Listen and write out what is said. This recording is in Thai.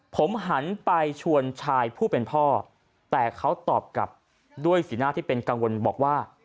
ผมหันไปชวนชายผู้เป็นพ่อแต่เขาตอบกลับด้วยสีหน้าที่เป็นกังวลบอกว่า